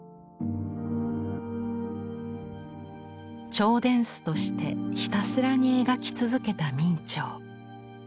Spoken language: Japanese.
兆殿司としてひたすらに描き続けた明兆。